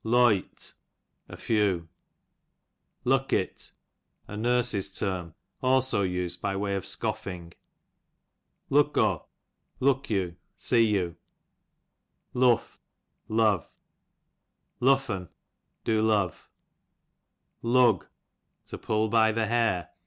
Loyte, a few. Luck it, a nurse's term ; also used by way of scoffing. Luck^o, look yoUy see yi^k., Luff, love, LuflPn, do love,. Lug, to pull by ihe hair.